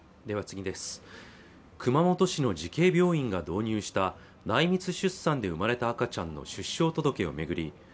熊本市の慈恵病院が導入した内密出産で生まれた赤ちゃんの出生届を巡り